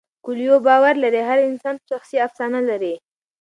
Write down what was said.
کویلیو باور لري هر انسان شخصي افسانه لري.